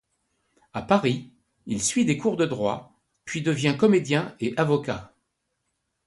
À Paris, il suit des cours de Droit, puis devient comédien et avocat.